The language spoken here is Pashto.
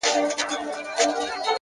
حوصله د اوږدو لارو ملګرې ده,